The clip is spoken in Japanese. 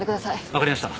分かりました。